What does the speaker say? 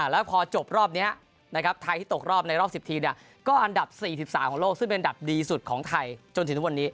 แล้วพอจบรอบนี้นะครับไทยที่ตกรอบในรอบ๑๐ทีก็อันดับ๔๓ของโลกซึ่งเป็นอันดับดีสุดของไทยจนถึงทุกวันนี้